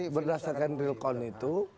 berdasarkan realcon itu